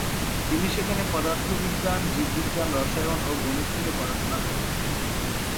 তিনি সেখানে পদার্থবিজ্ঞান, জীববিজ্ঞান, রসায়ন ও গণিত নিয়ে পড়াশোনা করেন।